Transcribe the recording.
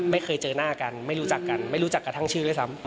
ไม่เคยเจอหน้ากันไม่รู้จักกันไม่รู้จักกระทั่งชื่อด้วยซ้ำ